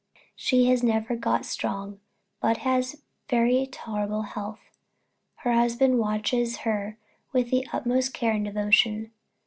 She has never got strong, but has very tolerable health. Her husband watches her with the utmost care and devotion.